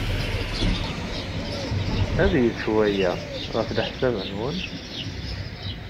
Ad yečč waya, ɣef leḥsab-nwent?